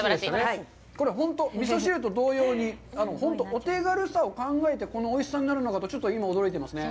これ本当に味噌汁と同様に、お手軽さを考えてこのおいしさになるのかと驚いていますね。